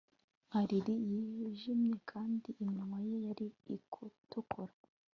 nka lili yijimye, kandi iminwa ye yari itukura